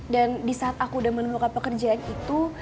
dan di saat aku udah menemukan pekerjaan itu